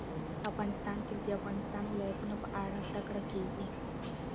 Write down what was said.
افغانستان کې د د افغانستان ولايتونه په اړه زده کړه کېږي.